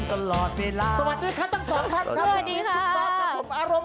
สวัสดีค่ะต่างทุกคน